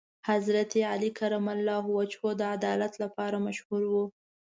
حضرت علی کرم الله وجهه د عدالت لپاره مشهور و.